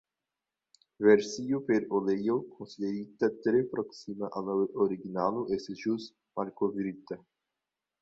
Versio per oleo, konsiderita tre proksima al la originalo, estis ĵus malkovrita.